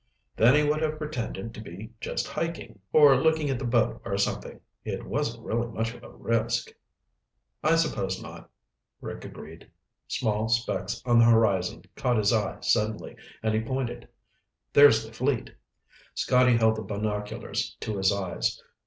"Then he would have pretended to be just hiking, or looking at the boat or something. It wasn't really much of a risk." "I suppose not," Rick agreed. Small specks on the horizon caught his eye suddenly and he pointed. "There's the fleet!" Scotty held the binoculars to his eyes.